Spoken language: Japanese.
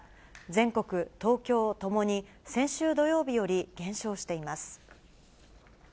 全国、東京ともに先週土曜日より減少しています。